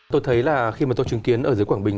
tôi thấy là khi mà tôi chứng kiến ở dưới quảng bình